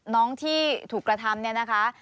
น้องที่ถูกกระทำเนี่ยนะคะ